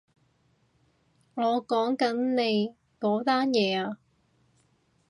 我講緊你嗰單嘢啊